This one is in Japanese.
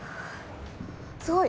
すごい！